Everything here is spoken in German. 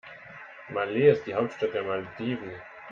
Malé ist die Hauptstadt der Malediven.